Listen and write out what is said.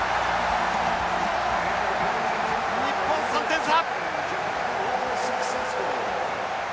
日本３点差！